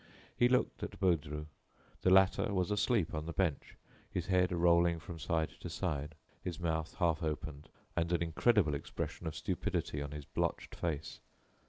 He looked at Baudru. The latter was asleep on the bench, his head rolling from side to side, his mouth half opened, and an incredible expression of stupidity on his blotched face.